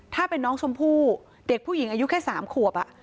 ถ้าเป็นน้องชมพู่เด็กผู้หญิงอายุแค่๓ขวบ